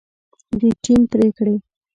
د ټیم پرېکړې